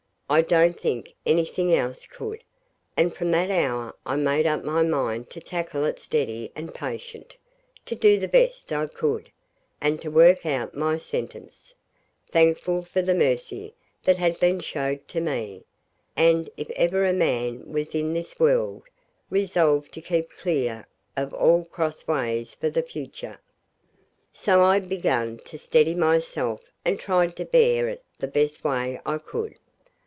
I don't think anything else could, and from that hour I made up my mind to tackle it steady and patient, to do the best I could, and to work out my sentence, thankful for the mercy that had been showed me, and, if ever a man was in this world, resolved to keep clear of all cross ways for the future. So I began to steady myself and tried to bear it the best way I could.